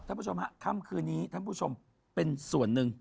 ผู้ชมฮะค่ำคืนนี้ท่านผู้ชมเป็นส่วนหนึ่ง